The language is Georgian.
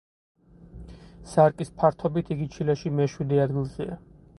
სარკის ფართობით იგი ჩილეში მეშვიდე ადგილზეა.